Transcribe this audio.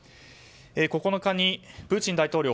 ９日にプーチン大統領